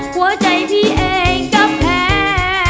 หัวใจพี่เองก็แพ้